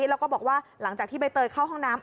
แล้วก็บอกว่าหลังจากที่ใบเตยเข้าห้องน้ำ